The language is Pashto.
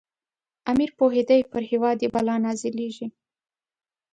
امیر پوهېدی پر هیواد یې بلا نازلیږي.